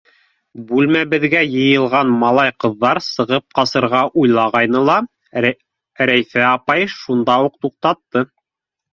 Бүлмәбеҙгә йыйылған малай-ҡыҙҙар сығып ҡасырға уйлағайны ла, Рәйфә апай шунда уҡ туҡтатты: